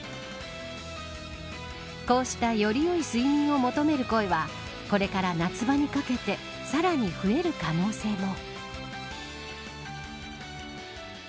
こうしたより良い睡眠を求める声はこれから夏場にかけてさらに増える可能性も。